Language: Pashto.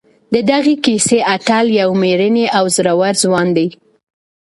د دغې کیسې اتل یو مېړنی او زړور ځوان دی.